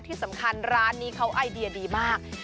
ที่สำคัญร้านนี้เขาไอเดียดีมาก